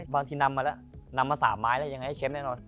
บางทีนำมาแล้วนำมา๓ไม้แล้วยังไงให้เชฟแน่นอน